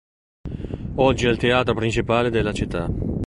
Oggi è il teatro principale della città.